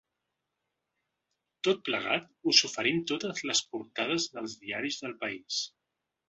Tot plegat us oferim totes les portades dels diaris del país.